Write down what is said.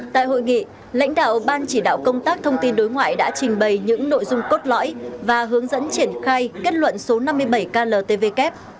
tại hội nghị lãnh đạo ban chỉ đạo công tác thông tin đối ngoại đã trình bày những nội dung cốt lõi và hướng dẫn triển khai kết luận số năm mươi bảy kltvk